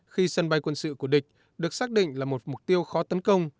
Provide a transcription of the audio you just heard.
khi sân bay quân sự của địch được xác định là một mục tiêu khó tấn công